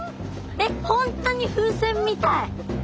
えっ本当に風船みたい。